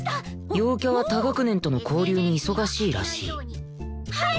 陽キャは他学年との交流に忙しいらしいはい！